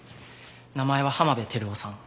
名前は濱辺照夫さん。